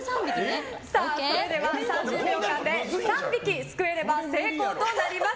それでは３０秒間で３匹すくえれば成功となります。